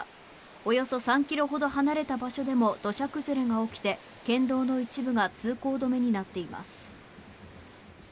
およそ３ｋｍほど離れた場所でも土砂崩れが起きて県道の一部が通行止めになっています。